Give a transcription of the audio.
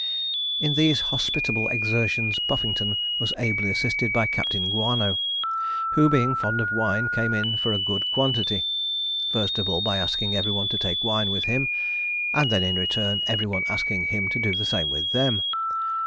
In these hospitable exertions Puffington was ably assisted by Captain Guano, who, being fond of wine, came in for a good quantity; first of all by asking everyone to take wine with him, and then in return every one asking him to do the same with them.